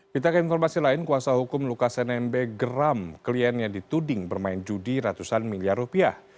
kita ke informasi lain kuasa hukum lukas nmb geram kliennya dituding bermain judi ratusan miliar rupiah